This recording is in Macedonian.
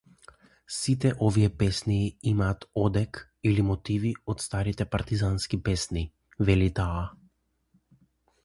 Сите овие песни имаат одек или мотиви од старите партизански песни, вели таа.